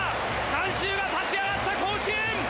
観衆が立ち上がった甲子園。